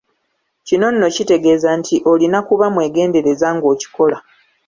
Kino nno kitegeeza nti olina kuba mwegendereza ng'okikola.